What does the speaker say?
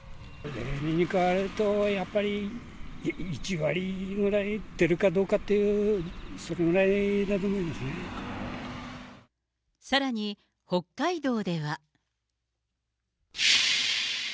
例年に比べるとやっぱり、１割ぐらい出るかどうかっていう、さらに、北海道では。